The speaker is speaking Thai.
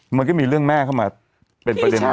มันก็มีเรื่องแม่เข้ามาเป็นประเด็น